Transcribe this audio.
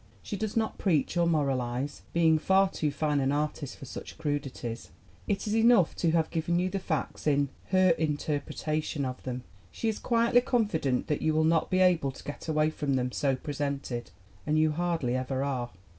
She does not preach or moralize, being far too fine an artist for such crudities. It is enough to have given you the facts in her interpretation of them. She is quietly confident that you will not be able to get away from them, so presented. And you hardly ever are!